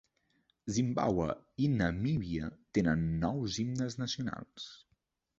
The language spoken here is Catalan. Zimbàbue i Namíbia tenen nous himnes nacionals.